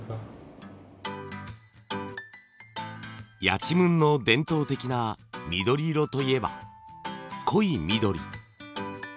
やちむんの伝統的な緑色といえば濃い緑。